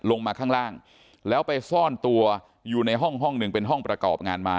ลงมาข้างล่างแล้วไปซ่อนตัวอยู่ในห้องห้องหนึ่งเป็นห้องประกอบงานมา